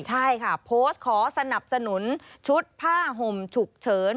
ใช่ค่ะโพสต์ขอสนับสนุนชุดผ้าห่มฉุกเฉิน